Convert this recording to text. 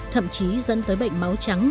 thậm chí dẫn tới bệnh máu trắng